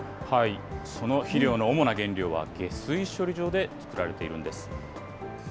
その肥料の主な原料は下水処理場で作られているんです。